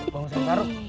bang ustadz faruk